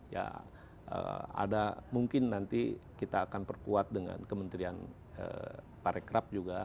ya ada mungkin nanti kita akan perkuat dengan kementerian parekrab juga